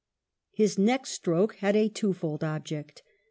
His next stroke had a twofold object.